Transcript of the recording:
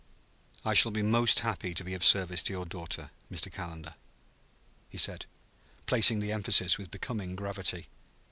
"I shall be most happy to be of service to your daughter, Mr. Calendar," he said, placing the emphasis with becoming gravity.